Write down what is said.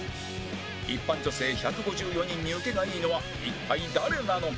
一般女性１５４人に受けがいいのは一体誰なのか？